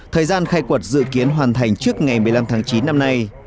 thời gian khai quật dự kiến hoàn thành trước ngày một mươi năm tháng chín năm nay